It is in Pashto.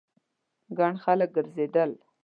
ګڼ خلک ګرځېدل.